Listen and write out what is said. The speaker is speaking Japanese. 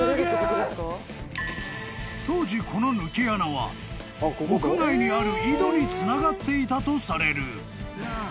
［当時この抜け穴は屋外にある井戸につながっていたとされる］